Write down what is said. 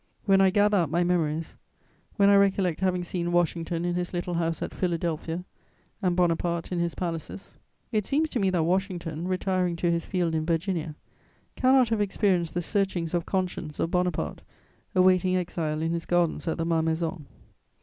When I gather up my memories, when I recollect having seen Washington in his little house at Philadelphia and Bonaparte in his palaces, it seems to me that Washington, retiring to his field in Virginia, cannot have experienced the searchings of conscience of Bonaparte awaiting exile in his gardens at the Malmaison.